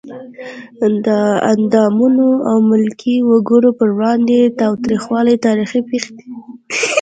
د اعدامونو او ملکي وګړو پر وړاندې تاوتریخوالی تاریخي پېښې دي.